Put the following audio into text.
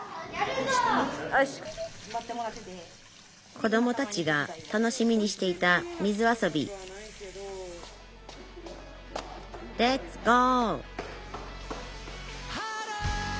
こどもたちが楽しみにしていた水遊びレッツゴー！